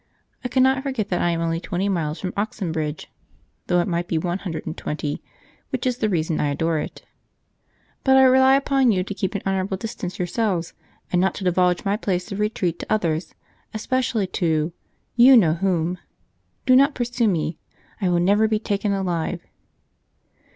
I cannot forget that I am only twenty miles from Oxenbridge (though it might be one hundred and twenty, which is the reason I adore it), but I rely upon you to keep an honourable distance yourselves, and not to divulge my place of retreat to others, especially to you know whom! Do not pursue me. I will never be taken alive!"